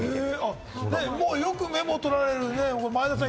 よくメモとられる、前田さん